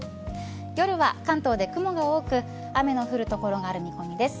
夜は関東で雲が多く雨の降る所がある見込みです。